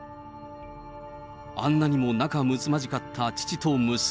あんなにも仲むつまじかった父と娘。